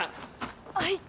はい。